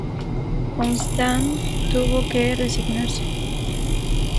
Constant tuvo que resignarse.